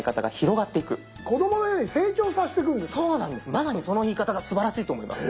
まさにその言い方がすばらしいと思います。